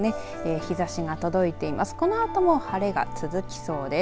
日ざしが届いています。